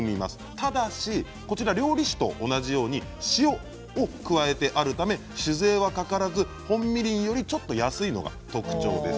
ただし、料理酒と同じように塩を加えてあるため酒税がかからず本みりんよりちょっと安いのが特徴です。